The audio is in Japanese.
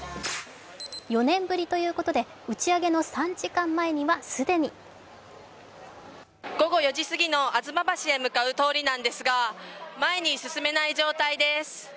４年ぶりということで打ち上げの３時間前には既に午後４時すぎの吾妻橋へ向かう通りなんですが前に進めない状態です。